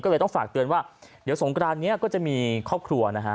ก็เลยต้องฝากเตือนว่าเดี๋ยวสงกรานนี้ก็จะมีครอบครัวนะฮะ